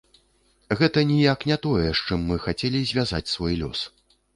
Гэта ніяк не тое, з чым мы хацелі звязаць свой лёс.